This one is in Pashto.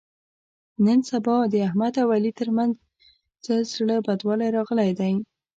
نن سبا د احمد او علي تر منځ څه زړه بدوالی راغلی دی.